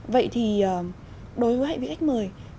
vậy thì đối với hệ vị khách mời